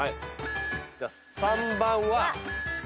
じゃあ３番は。